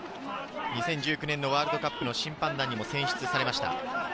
２０１９年のワールドカップの審判団にも選出されました。